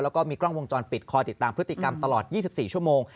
แล้วก็มีกล้องวงจรปิดคอยติดตามพฤติกรรมตลอด๒๔ชั่วโมง